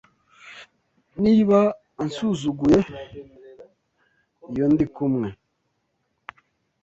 Niba ansuzuguye iyo ndikumwe